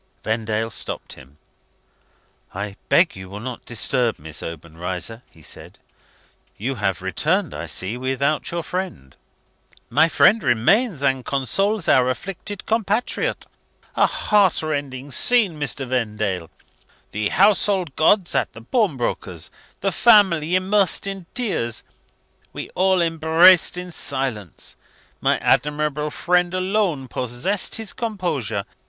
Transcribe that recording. Vendale stopped him. "I beg you will not disturb Miss Obenreizer," he said. "You have returned, I see, without your friend?" "My friend remains, and consoles our afflicted compatriot. A heart rending scene, Mr. Vendale! The household gods at the pawnbroker's the family immersed in tears. We all embraced in silence. My admirable friend alone possessed his composure.